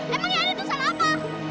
emang yang ada itu salah apa